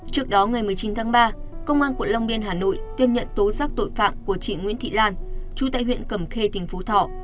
trước đó ngày một mươi chín tháng ba công an quận long biên hà nội tiếp nhận tố xác tội phạm của chị nguyễn thị lan chú tại huyện cầm khê tỉnh phú thọ